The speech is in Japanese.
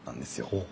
ほう。